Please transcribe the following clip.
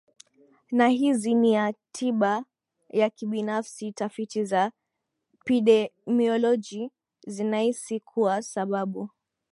na hizi ni ya tibayakibinafsi Tafiti za pidemioloji zinaisi kuwa sababu